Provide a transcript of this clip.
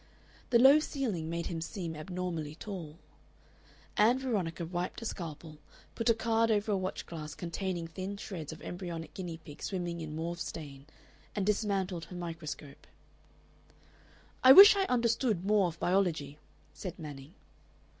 The low ceiling made him seem abnormally tall. Ann Veronica wiped a scalpel, put a card over a watch glass containing thin shreds of embryonic guinea pig swimming in mauve stain, and dismantled her microscope. "I wish I understood more of biology," said Manning.